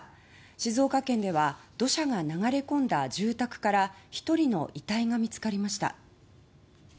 静岡県では土砂が流れ込んだ住宅から１人の遺体が見つかりました。